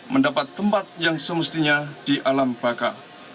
mendapat tempat yang semestinya di alam baka